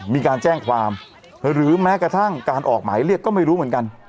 มีการแจ้งความหรือแม้กระทั่งการออกหมายเรียกก็ไม่รู้เหมือนกัน